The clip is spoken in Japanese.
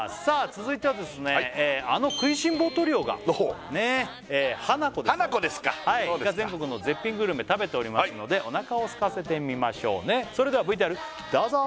続いてはですねあの食いしん坊トリオがねハナコですねハナコですかはい全国の絶品グルメ食べておりますのでお腹をすかせて見ましょうねそれではＶＴＲどうぞ！